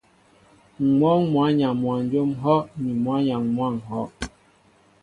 M̀ wɔ́ɔ́ŋ mwǎyaŋ mwanjóm ŋ̀hɔ́' ni mwǎyaŋ mwǎ ŋ̀hɔ́.